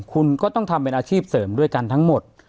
คุณก็ต้องทำเป็นอาชีพเสริมด้วยกันทั้งหมด